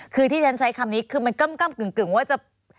คือที่ฉันใช้คำนี้คือมันก้ำกึ่งว่าจะ